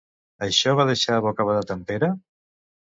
Això va deixar bocabadat en Pere?